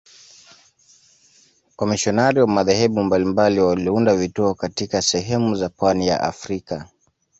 Wamisionari wa madhehebu mbalimbali waliunda vituo katika sehemu za pwani ya Afrika.